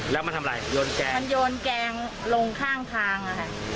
แล้วมันทำอะไรโยนแกงมันโยนแกงลงข้างทางอ่ะค่ะ